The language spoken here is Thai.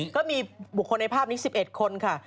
ก็มีบุคคลในภาพนี้๑๑คนค่ะ